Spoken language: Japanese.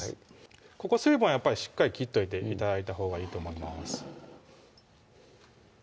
ここ水分はしっかり切っといて頂いたほうがいいと思います